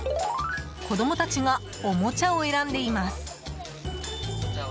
子供たちがおもちゃを選んでいます。